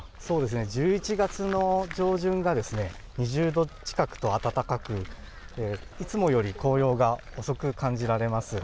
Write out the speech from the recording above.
１１月の上旬が２０度近くと暖かくいつもより紅葉が遅く感じられます。